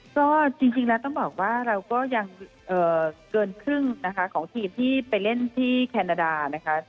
ก็จริงแล้วต้องบอกว่าเราก็ยังเกินครึ่งนะคะของทีมที่ไปเล่นที่แคนาดานะคะ